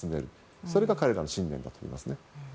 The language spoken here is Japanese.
それが彼らの信念だと思います。